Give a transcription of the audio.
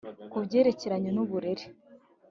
Ku byerekeranye nu burere